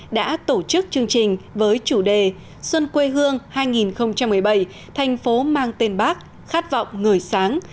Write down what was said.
đã tổ chức chương trình với chủ đề xuân quê hương hai nghìn một mươi bảy thành phố mang tên bác khát vọng người sáng